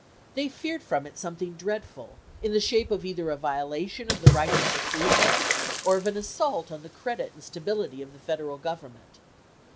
They feared from it something dreadful, in the shape either of a violation of the rights of the freedmen, or of an assault on the credit and stability of the Federal Government.